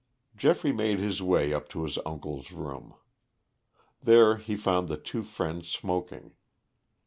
Geoffrey made his way up to his uncle's room. There he found the two friends smoking.